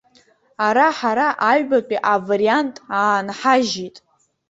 Ара ҳара аҩбатәи авариант аанҳажьит.